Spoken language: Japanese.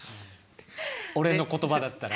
俺の言葉だったら？